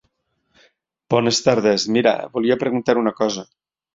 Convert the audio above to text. Bones tardes, mira volia preguntar una cosa.